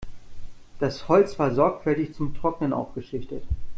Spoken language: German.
Das Holz war sorgfältig zum Trocknen aufgeschichtet.